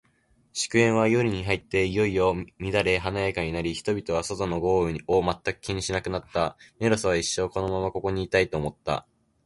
祝宴は、夜に入っていよいよ乱れ華やかになり、人々は、外の豪雨を全く気にしなくなった。メロスは、一生このままここにいたい、と思った。